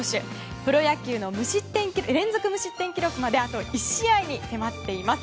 プロ野球の連続無失点記録まであと１試合に迫っています。